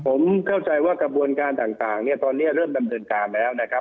ผมเข้าใจว่ากระบวนการต่างเนี่ยตอนนี้เริ่มดำเนินการแล้วนะครับ